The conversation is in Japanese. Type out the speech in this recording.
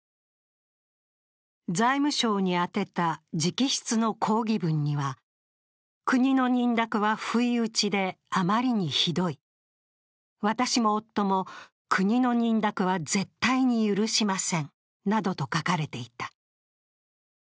財務省に宛てた直筆の抗議文には国の認諾は不意打ちで、あまりにひどい、私も夫も国の認諾は絶対に許しませんなどと書かれていた。